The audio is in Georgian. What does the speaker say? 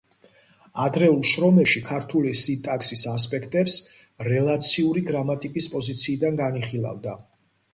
ადრეულ შრომებში ქართული სინტაქსის ასპექტებს რელაციური გრამატიკის პოზიციიდან განიხილავდა.